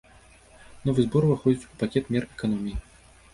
Новы збор ўваходзіць у пакет мер эканоміі.